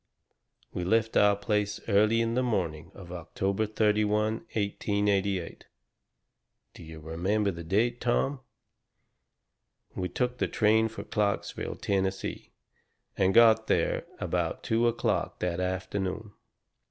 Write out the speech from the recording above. "We left your place early on the morning of October 31, 1888 do you remember the date, Tom? We took the train for Clarksville, Tennessee, and got there about two o'clock that afternoon.